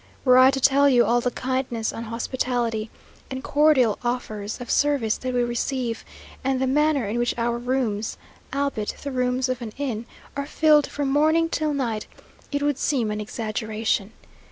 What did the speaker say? Were I to tell you all the kindness and hospitality, and cordial offers of service that we receive, and the manner in which our rooms (albeit the rooms of an inn) are filled from morning till night, it would seem an exaggeration.